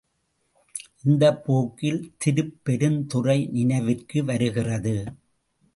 இந்தப் போக்கில் திருப்பெருந்துறை நினைவிற்கு வருகிறது.